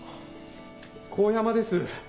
神山です。